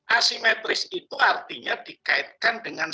asimetris itu artinya dikaitkan dengan